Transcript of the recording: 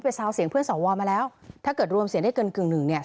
ซาวเสียงเพื่อนสวมาแล้วถ้าเกิดรวมเสียงได้เกินกึ่งหนึ่งเนี่ย